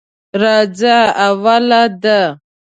راځه اوله ده.